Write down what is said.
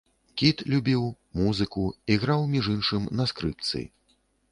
Кіт любіў, музыку, іграў, між іншым, на скрыпцы.